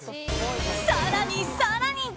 更に更に！